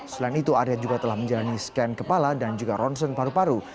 selain itu arya juga telah menjalani scan kepala dan juga ronsen paru paru